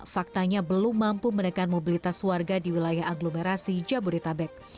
faktanya belum mampu menekan mobilitas warga di wilayah agglomerasi jabodetabek